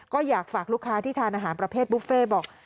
ก็อยากฝากลูกค้าที่ทานอาหารประเภทบุฟเฟ่บอก